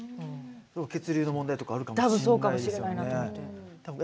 血流の問題とかあるかもしれないですよね。